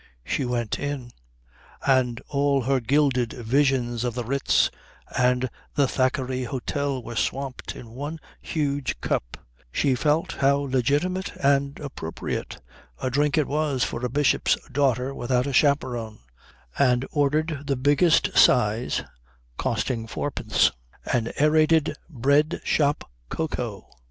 She went in; and all her gilded visions of the Ritz and the Thackeray Hôtel were swamped in one huge cup (she felt how legitimate and appropriate a drink it was for a bishop's daughter without a chaperon, and ordered the biggest size costing four pence) of Aerated Bread Shop cocoa.